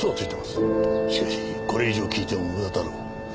しかしこれ以上聞いても無駄だろう。